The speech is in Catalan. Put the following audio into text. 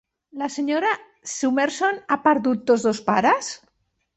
La senyora Summerson ha perdut tots dos pares?